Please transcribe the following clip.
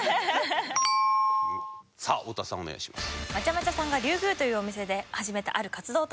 まちゃまちゃさんが龍宮というお店で始めたある活動とは？